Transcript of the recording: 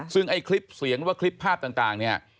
ซึ่งไอ้คลิปเสียงหรือว่าคลิปภาพต่างเนี่ย